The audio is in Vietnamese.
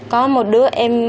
có một đứa em